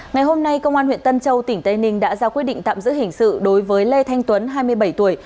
ngày hôm nay công an huyện tân châu tỉnh tây ninh đã ra quyết định tạm giữ hình sự đối với lê thanh tuấn hai mươi bảy tuổi